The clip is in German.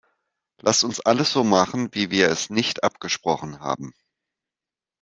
Lasst uns alles so machen, wie wir es nicht abgesprochen haben!